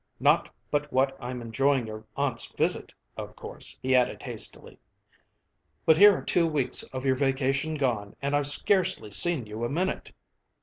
Not but what I'm enjoying your aunt's visit, of course," he added hastily. "But here are two weeks of your vacation gone, and I've scarcely seen you a minute."